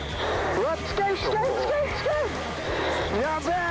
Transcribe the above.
・うわ！